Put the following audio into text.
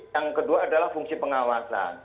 yang kedua adalah fungsi pengawasan